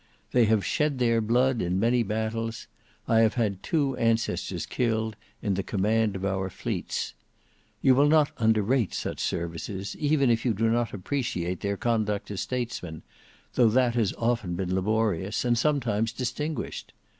They have shed their blood in many battles; I have had two ancestors killed in the command of our fleets. You will not underrate such services, even if you do not appreciate their conduct as statesmen, though that has often been laborious, and sometimes distinguished.